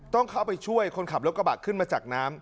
ต้องเข้าไปช่วยคนขับรถกระบะขึ้นมาจากน้ำ